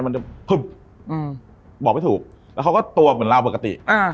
มันจะพึบอืมบอกไม่ถูกแล้วเขาก็ตัวเหมือนเราปกติอ่า